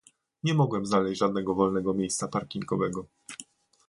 Nie mogłem znaleźć żadnego wolnego miejsca parkingowego.